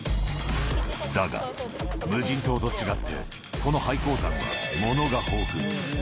だが、無人島と違って、この廃鉱山は物が豊富。